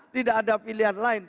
tidak ada pilihan lain